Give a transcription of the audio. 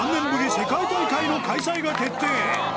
世界大会の開催が決定